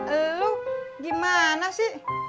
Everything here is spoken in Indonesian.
ah lu gimana sih